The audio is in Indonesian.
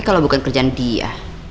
kalau bukan kerjaan dia